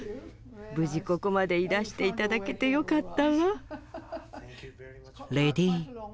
無事ここまでいらして頂けてよかったわ。